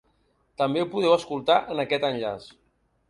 També ho podeu escoltar en aquest enllaç.